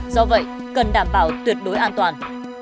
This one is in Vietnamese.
do vậy cần đảm bảo tuyệt đối an toàn